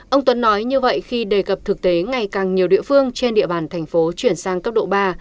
ông tuấn nói như vậy khi đề cập thực tế ngày càng nhiều địa phương trên địa bàn thành phố chuyển sang cấp độ ba